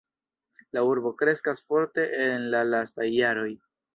La urbo kreskas forte en la lastaj jaroj.